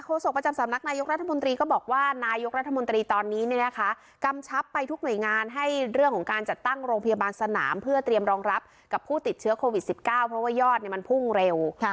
โศกประจำสำนักนายกรัฐมนตรีก็บอกว่านายกรัฐมนตรีตอนนี้กำชับไปทุกหน่วยงานให้เรื่องของการจัดตั้งโรงพยาบาลสนามเพื่อเตรียมรองรับกับผู้ติดเชื้อโควิด๑๙เพราะว่ายอดมันพุ่งเร็ว